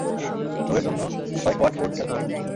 Show এর জন্য ছয় কোয়াট উড অ্যালকোহল।